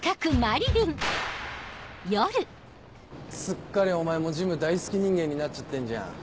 すっかりお前もジム大好き人間になっちゃってんじゃん。